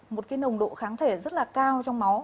một cái nồng độ kháng thể rất là cao trong máu